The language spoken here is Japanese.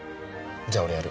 じゃあ俺やる。